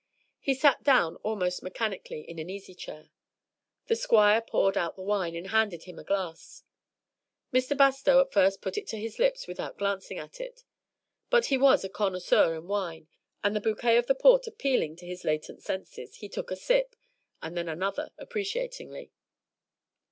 He sat down almost mechanically in an easy chair. The Squire poured out the wine, and handed him a glass. Mr. Bastow at first put it to his lips without glancing at it, but he was a connoisseur in wine, and the bouquet of the port appealing to his latent senses, he took a sip, and then another, appreciatingly.